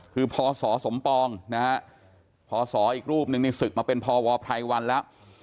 คือพศสมปองพศอีกรูปหนึ่งสึกมาเป็นพวพวแล้ว